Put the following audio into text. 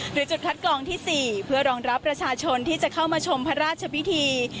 จุดคัดกรองที่๔เพื่อรองรับประชาชนที่จะเข้ามาชมพระราชพิธี